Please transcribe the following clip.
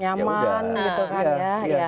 nyaman gitu kan ya